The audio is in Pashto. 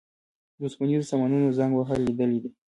د اوسپنیزو سامانونو زنګ وهل لیدلي دي.